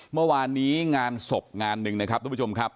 เมื่อวานนี้งานศพงานหนึ่งนะครับทุกผู้ชมครับ